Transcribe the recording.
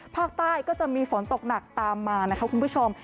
ภาคใต้ก็จะมีฝนตกหนักตามมานะคะคุณผู้ชม